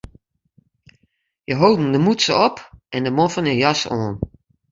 Hja holden de mûtse op en de moffen en jas oan.